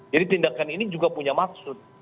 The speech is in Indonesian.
jadi tindakan ini juga punya maksud